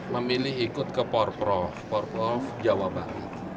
memilih ikut ke porprov porprov jawa barat